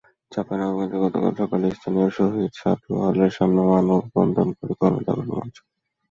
চাঁপাইনবাবগঞ্জে গতকাল সকালে স্থানীয় শহীদ সাটু হলের সামনে মানববন্ধন করে গণজাগরণ মঞ্চ।